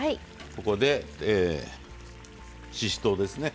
ここでししとうですね。